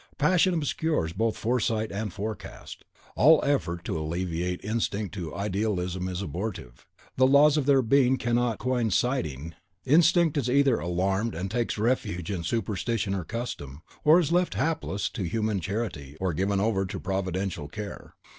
Passion obscures both Insight and Forecast. All effort to elevate Instinct to Idealism is abortive, the laws of their being not coinciding (in the early stage of the existence of the one). Instinct is either alarmed, and takes refuge in Superstition or Custom, or is left helpless to human charity, or given over to providential care.